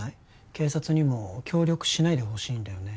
警察にも協力しないでほしいんだよね